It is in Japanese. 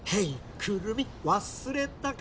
くるみ忘れたか？